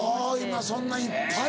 今そんなんいっぱい。